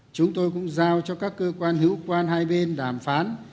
chúng tôi cũng giao cho các cơ quan hữu quan hai bên đàm phán